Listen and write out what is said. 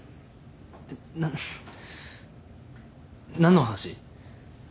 えっな何の話？